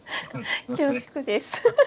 恐縮です。